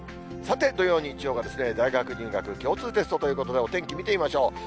さて、土曜、日曜は大学入学共通テストということで、お天気見てみましょう。